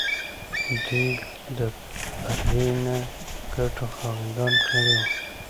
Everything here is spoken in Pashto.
دوی د پرې نه ګټو خاوندان کړي وو.